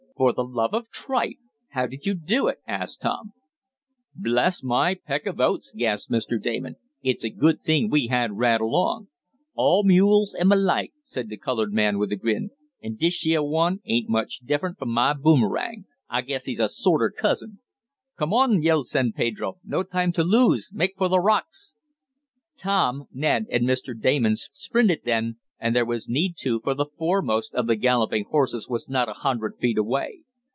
"For the love of tripe! How did you do it?" asked Tom. "Bless my peck of oats!" gasped Mr. Damon. "It's a good thing we had Rad along!" "All mules am alike," said the colored man with a grin. "An dish yeah one ain't much different from mah Boomerang. I guess he's a sorter cousin." "Come on!" yelled San Pedro. "No time to lose. Make for the rocks!" Tom, Ned and Mr. Damon sprinted then, and there was need to, for the foremost of the galloping horses was not a hundred feet away.